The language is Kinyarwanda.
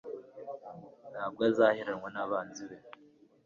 Nta bwo azaheranwa n’abanzi be